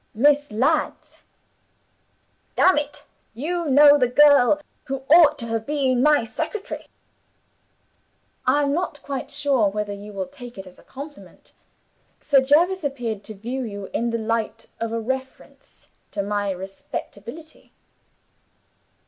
'Miss Ladd's.' 'Damn it, you know the girl who ought to have been my secretary.' I am not quite sure whether you will take it as a compliment Sir Jervis appeared to view you in the light of a reference to my respectability.